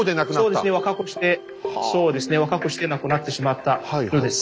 そうですね若くして若くして亡くなってしまったようです。